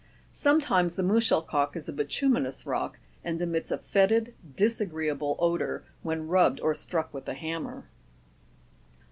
Sometimes the muschelkalk is a bituminous rock, and emits a fetid, disagreea ble odour when rubbed or struck with a hammer.